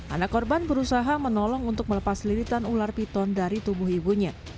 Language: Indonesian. anak korban berusaha menolong untuk melepas liritan ular piton dari tubuh ibunya